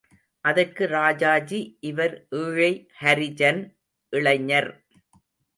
அதற்கு ராஜாஜி இவர் ஏழை ஹரிஜன் இளைஞர்.